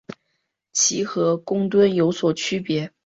其和公吨有所区别。